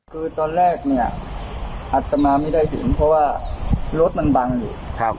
คือตอนแรกเนี่ยอัตมาไม่ได้เห็นเพราะว่ารถมันบังอยู่